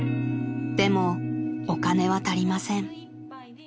［でもお金は足りません］